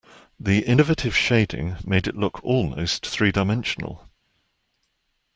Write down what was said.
The innovative shading made it look almost three-dimensional.